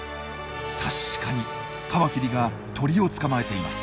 確かにカマキリが鳥を捕まえています。